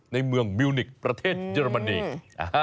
ในเมืองมิวนิกประเทศเยอรมนี